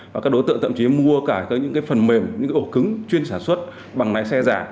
và các đối tượng thậm chí mua cả những phần mềm những cái ổ cứng chuyên sản xuất bằng lái xe giả